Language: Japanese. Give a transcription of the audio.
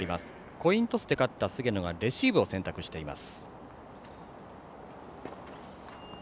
コイントスで勝った菅野がレシーブを選択しています。